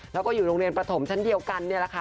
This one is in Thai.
แล้วก็อยู่โรงเรียนประถมชั้นเดียวกันนี่แหละค่ะ